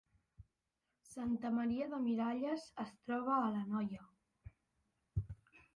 Santa Maria de Miralles es troba a l’Anoia